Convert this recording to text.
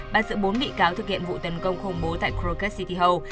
bắt giữ bốn bị cáo thực hiện vụ tấn công khủng bố tại crooked city hall